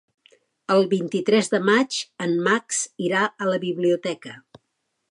El vint-i-tres de maig en Max irà a la biblioteca.